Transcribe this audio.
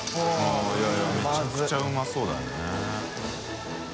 いむちゃくちゃうまそうだね。